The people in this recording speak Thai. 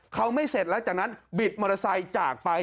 เขาไม่เสร็จแล้วจากนั้นบิดมอเตอร์ไซค์จากไป